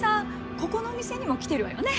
ここのお店にも来てるわよね？